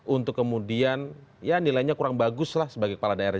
untuk kemudian ya nilainya kurang bagus lah sebagai kepala daerah